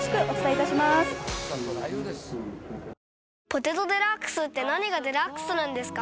「ポテトデラックス」って何がデラックスなんですか？